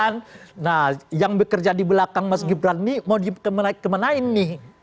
nah yang bekerja di belakang mas gibran nih mau di kemana ini